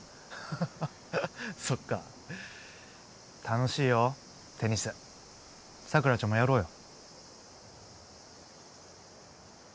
ハハハそっか楽しいよテニス桜ちゃんもやろうよ